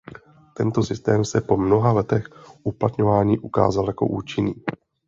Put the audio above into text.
Tento systém se po mnoha letech uplatňování ukázal jako účinný.